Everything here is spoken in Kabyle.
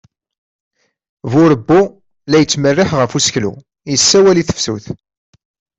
Burebbu la yettmerriiḥ ɣef useklu, issawal i tefsut.